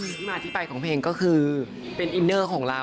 ที่มาที่ไปของเพลงก็คือเป็นอินเนอร์ของเรา